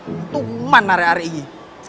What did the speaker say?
untungan hari hari ini